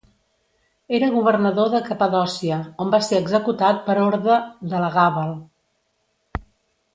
Era governador de Capadòcia on va ser executat per orde d'Elagàbal.